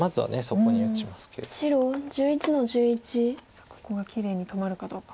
さあここがきれいに止まるかどうか。